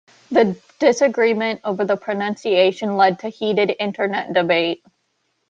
The disagreement over the pronunciation led to heated Internet debate.